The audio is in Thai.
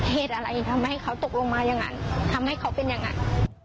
เหตุอะไรทำให้เขาตกลงมาอย่างนั้นทำให้เขาเป็นอย่างนั้น